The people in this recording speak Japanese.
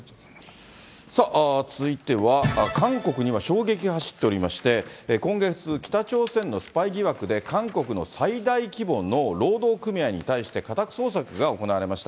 続いては、韓国には衝撃が走っておりまして、今月、北朝鮮のスパイ疑惑で韓国の最大規模の労働組合に対して家宅捜索が行われました。